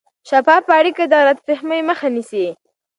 شفافه اړیکه د غلط فهمۍ مخه نیسي.